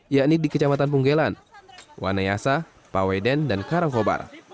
yakni di kecamatan punggelan wanayasa paweden dan karangkobar